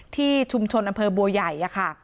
ที่ชุมชนอำเภอบัวใหญ่ค่ะ